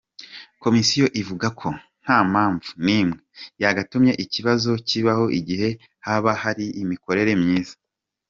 Komisiyo ivuga ko nta mpamvu nimwe yagatumye ikibazo kibaho igihe haba hariho imikorere myiza.